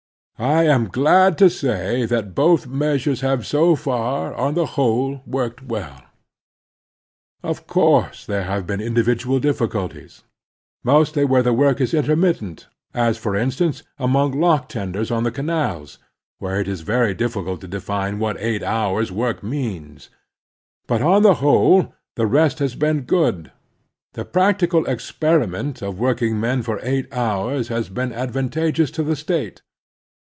I am glad to say that both measures have so far, on the whole, worked well. Of course 292 The Strenuous Life there have been individtial diffictilties, mostly where the work is intermittent, as, for instance, among lock tenders on the canals, where it is very difficult to define what eight hotirs* work means. But, on the whole, the result has been good. The practical experiment of working men for eight hours has been advantageous to the State.